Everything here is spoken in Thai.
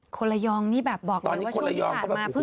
คนระยองนี่แบบบอกเลยว่าช่วงที่ผ่านมา